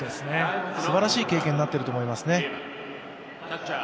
すばらしい経験になっていると思いますね。